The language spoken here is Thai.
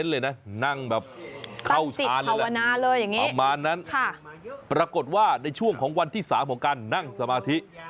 เลยนะนั่งแบบเข้าชานภาวนาเลยอย่างนี้ประมาณนั้นปรากฏว่าในช่วงของวันที่๓ของการนั่งสมาธิ